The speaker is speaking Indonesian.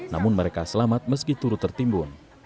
namun mereka selamat meski turut tertimbun